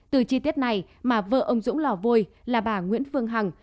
từ chi tiết này mà vợ ông dũng lò vôi là bà nguyễn phương hằng